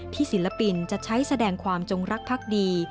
ศิลปินจะใช้แสดงความจงรักพักดี